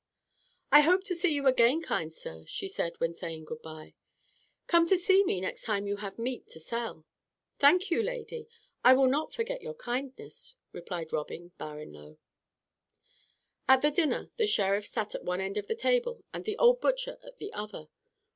"I hope to see you again, kind sir," she said when saying good by. "Come to see me next time you have meat to sell." "Thank you, lady, I will not forget your kindness," replied Robin, bowing low. At dinner the Sheriff sat at one end of the table and the old butcher at the other.